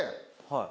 はい。